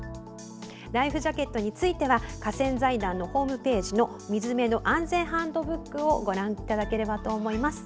ライフジャケットについては河川財団のホームページや「水辺の安全ハンドブック」をご覧いただければと思います。